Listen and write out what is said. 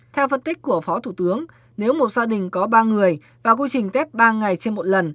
theo phân tích của phó thủ tướng nếu một gia đình có ba người và quy trình tep ba ngày trên một lần